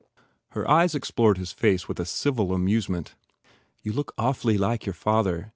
Her eyes explored his face with a civil amusement. "You look awfully like your father.